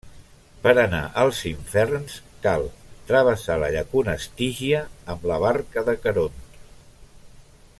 Per anar als inferns, cal travessar la llacuna Estígia amb la barca de Caront.